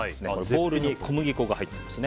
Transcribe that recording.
ボウルに小麦粉が入ってます。